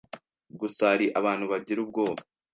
gusa hari abantu bagira ubwoba